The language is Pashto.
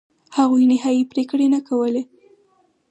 هغوی نهایي پرېکړې نه کولې.